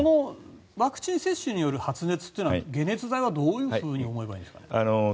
ワクチン接種による発熱は解熱剤はどういうふうに飲めばいいんでしょうか。